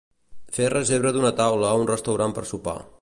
Fer reserva d'una taula a un restaurant per sopar.